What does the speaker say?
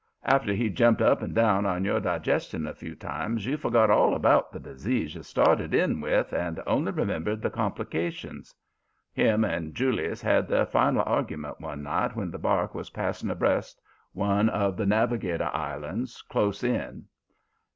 After he'd jumped up and down on your digestion a few times you forgot all about the disease you started in with and only remembered the complications. Him and Julius had their final argument one night when the bark was passing abreast one of the Navigator Islands, close in.